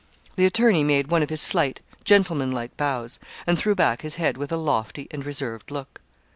The attorney made one of his slight, gentlemanlike bows, and threw back his head with a lofty and reserved look.